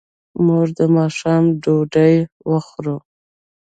موږ د ماښام ډوډۍ وخوړه.